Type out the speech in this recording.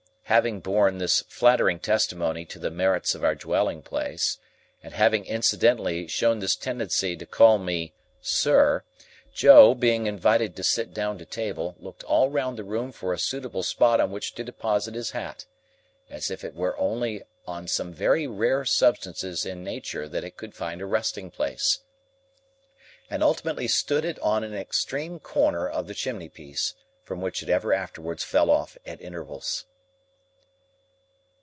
Having borne this flattering testimony to the merits of our dwelling place, and having incidentally shown this tendency to call me "sir," Joe, being invited to sit down to table, looked all round the room for a suitable spot on which to deposit his hat,—as if it were only on some very few rare substances in nature that it could find a resting place,—and ultimately stood it on an extreme corner of the chimney piece, from which it ever afterwards fell off at intervals.